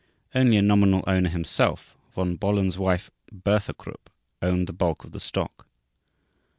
Only a nominal owner himself, Von Bohlen's wife, Bertha Krupp, owned the bulk of the stock.